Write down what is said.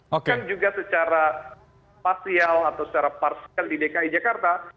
bukan juga secara parsial atau secara parsial di dki jakarta